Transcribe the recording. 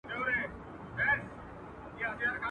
یوه سیوري ته دمه سو لکه مړی.